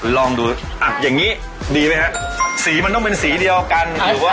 ลองดูอ่ะอย่างนี้ดีไหมฮะสีมันต้องเป็นสีเดียวกันหรือว่า